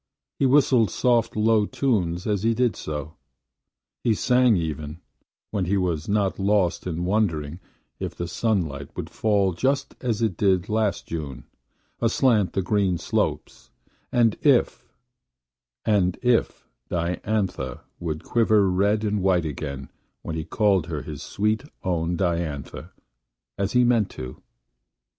He whistled soft low tunes as he did so. He sang even, when he was not lost in wondering if the sunlight would fall just as it did last June, aslant the green slopes; and if – and if Diantha would quiver red and white again when he called her his sweet own Diantha, as he meant to.